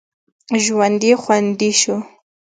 ژوند یې خوندي شو.